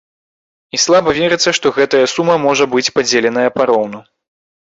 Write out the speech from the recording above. І слаба верыцца, што гэтая сума можа быць падзеленая пароўну.